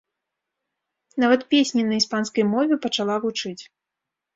Нават песні на іспанскай мове пачала вучыць.